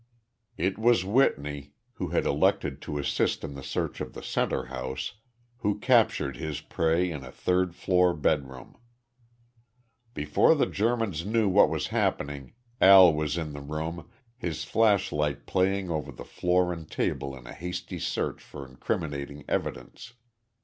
It was Whitney, who had elected to assist in the search of the center house, who captured his prey in a third floor bedroom. Before the Germans knew what was happening Al was in the room, his flashlight playing over the floor and table in a hasty search for incriminating evidence.